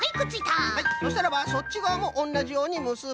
そしたらばそっちがわもおんなじようにむすぶ。